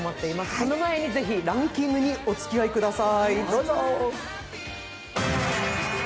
その前にぜひランキングにお付き合いください。